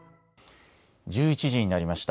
１１時になりました。